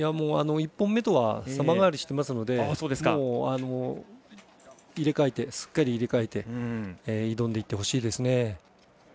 １本目とは様変わりしてますのでしっかり入れ替えて挑んでいってほしいですね。